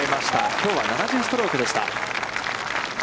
きょうは７０ストロークでした。